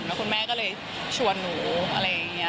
แล้วคุณแม่ก็เลยชวนหนูอะไรอย่างนี้